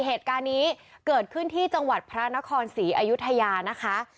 เหตุการณ์นี้เกิดขึ้นที่จังหวัดพระนครศรีอยุธยานะคะ